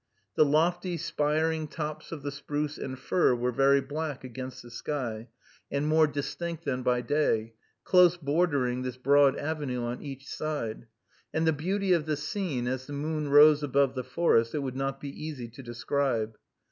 The lofty, spiring tops of the spruce and fir were very black against the sky, and more distinct than by day, close bordering this broad avenue on each side; and the beauty of the scene, as the moon rose above the forest, it would not be easy to describe.